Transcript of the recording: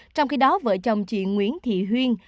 trong khi đó vợ chồng chị nguyễn thị huyên